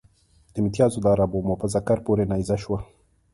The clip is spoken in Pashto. د متیازو داره به مو په ذکر پورې نیزه شوه.